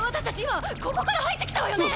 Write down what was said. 今ここから入ってきたわよね